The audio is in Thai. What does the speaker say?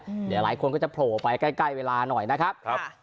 เดี๋ยวหลายคนก็จะโผล่ไปใกล้ใกล้เวลาหน่อยนะครับ